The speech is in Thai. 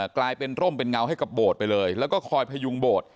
กลายเป็นร่มเป็นเงาให้กับโบสถ์ไปเลยแล้วก็คอยพยุงโบสถ